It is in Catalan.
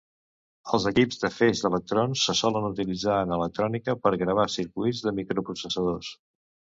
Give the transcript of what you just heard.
Els equips de feix d'electrons se solen utilitzar en electrònica per gravar circuits de microprocessadors.